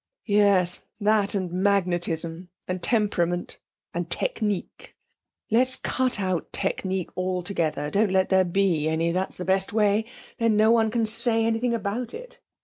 'Yes, that and magnetism, and temperament, and technique. Let's cut out technique altogether. Don't let there be any, that's the best way; then no one can say anything about it.